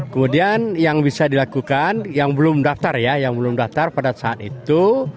kemudian yang bisa dilakukan yang belum daftar ya yang belum daftar pada saat itu